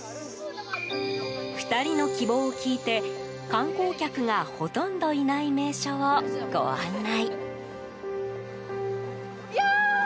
２人の希望を聞いて観光客がほとんどいない名所をご案内。